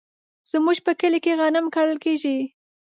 زمونږ په کلي کې غنم کرل کیږي.